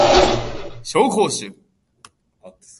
紹興酒